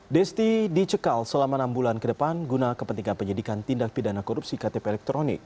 desti dicekal selama enam bulan ke depan guna kepentingan penyidikan tindak pidana korupsi ktp elektronik